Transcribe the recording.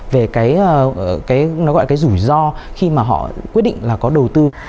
về cái nó gọi cái rủi ro khi mà họ quyết định là có đầu tư